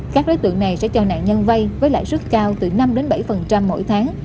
các đối tượng này sẽ cho nạn nhân vây với lãi sức cao từ năm bảy mỗi tháng